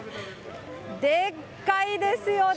でっかいですよね。